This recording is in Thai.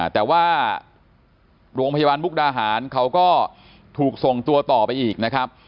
แต่ว่าโรงพยาบาลมุกดาหารเขาก็ถูกส่งตัวต่อไปอีกนะครับ